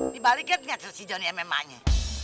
dibalikin ngasih si jonny mma nya